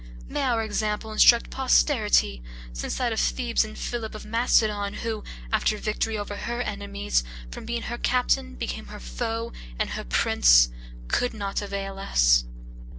May our example instruct posterity, since that of Thebes and Philip of Macedon, who, after victory over her enemies, from being her captain became her foe and her prince, could not avail us.